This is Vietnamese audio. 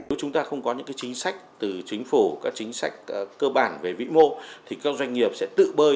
nếu chúng ta không có những chính sách từ chính phủ các chính sách cơ bản về vĩ mô thì các doanh nghiệp sẽ tự bơi